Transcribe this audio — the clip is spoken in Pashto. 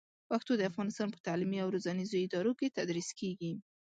پښتو د افغانستان په تعلیمي او روزنیزو ادارو کې تدریس کېږي.